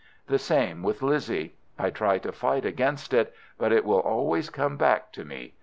The same with Lizzie. I try to fight against it, but it will always come back to me.